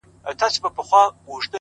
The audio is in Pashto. خو هغه زړور زوړ غم ژوندی گرځي حیات دی!!